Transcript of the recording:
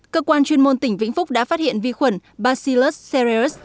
cơ quan chuyên môn tỉnh vĩnh phúc đã phát hiện vi khuẩn bacillus cerus